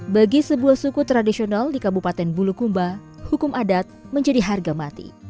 bagi sebuah suku tradisional di kabupaten bulukumba hukum adat menjadi harga mati